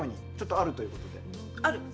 あるということで。